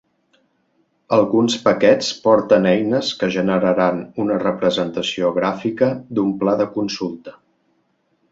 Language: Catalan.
Alguns paquets porten eines que generaran una representació gràfica d'un pla de consulta.